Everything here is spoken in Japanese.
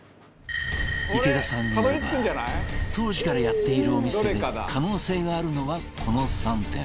池田さんによれば当時からやっているお店で可能性があるのはこの３店